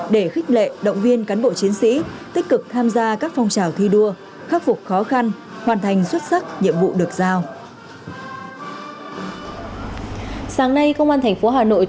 để khích lệ động viên cán bộ chiến sĩ tích cực tham gia các phong trào thi đua khắc phục khó khăn hoàn thành xuất sắc nhiệm vụ được giao